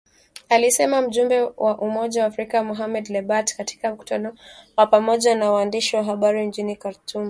Alisema mjumbe wa Umoja wa Afrika, Mohamed Lebatt katika mkutano wa pamoja na waandishi wa habari mjini Khartoum.